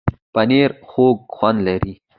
پنېر خوږ خوند لري.